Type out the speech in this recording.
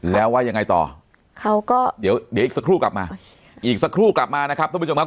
แล้วว่ายังไงต่อเขาก็เดี๋ยวเดี๋ยวอีกสักครู่กลับมาอีกสักครู่กลับมานะครับทุกผู้ชมครับ